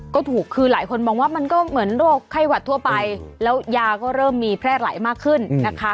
ก็ถูกคือหลายคนมองว่ามันก็เหมือนโรคไข้หวัดทั่วไปแล้วยาก็เริ่มมีแพร่ไหลมากขึ้นนะคะ